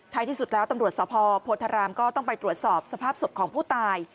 ที่สุดแล้วตำรวจสภโพธารามก็ต้องไปตรวจสอบสภาพศพของผู้ตาย